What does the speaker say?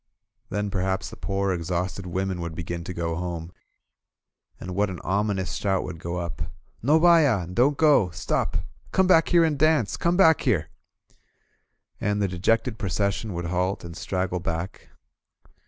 Then perhaps the poor exhausted 68 "QUIEN VIVE?" women would begin to go home; and what an ominous shout would go up: "No vaya! Don't go! Stop! Come back here and dance! Come back here!" And the dejected procession would halt and straggle back.